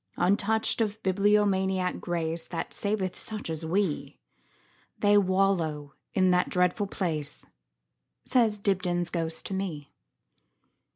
Untouched of bibliomaniac grace, That saveth such as we, They wallow in that dreadful place,"Says Dibdin's ghost to me.